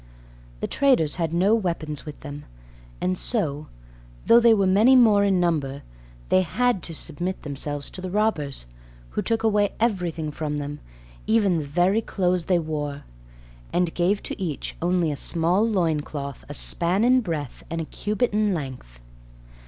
The traders had no weapons with them, and so, though they were many more in number, they had to submit themselves to the robbers, who took away everything from them, even the very clothes they wore, and gave to each only a small loin cloth a span in breadth and a cubit in length.